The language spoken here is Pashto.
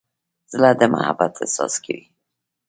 زړه د محبت احساس کوي.